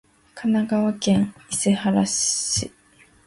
神奈川県伊勢原市